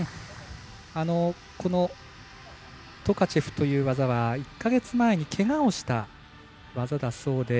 このトカチェフという技は１か月前にけがをした技だそうで。